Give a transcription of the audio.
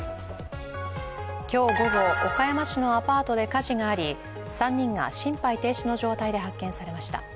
今日午後、岡山市のアパートで火事があり３人が心肺停止の状態で発見されました。